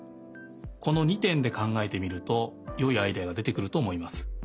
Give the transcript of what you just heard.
この２てんでかんがえてみるとよいアイデアがでてくるとおもいます。